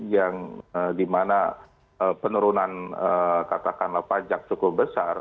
yang dimana penurunan katakanlah pajak cukup besar